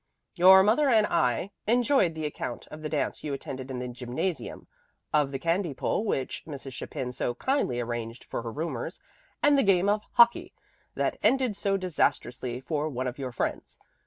"'Your mother and I enjoyed the account of the dance you attended in the gymnasium, of the candy pull which Mrs. Chapin so kindly arranged for her roomers, and the game of hockey that ended so disastrously for one of your friends.